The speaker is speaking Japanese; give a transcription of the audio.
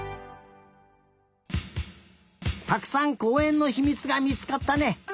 たくさんこうえんのひみつがみつかったね。